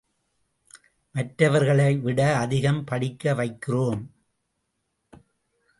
மற்றவர்களை விட அதிகம் படிக்க வைக்கிறோம்.